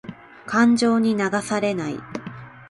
感情に流されない。